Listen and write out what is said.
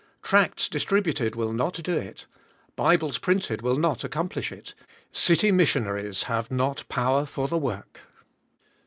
Tracts distributed will not do it; Bibles printed will not accomplish it; city missionaries have not power for the work.